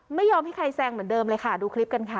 ไม่ยอมให้ใครแซงเหมือนเดิมเลยค่ะดูคลิปกันค่ะ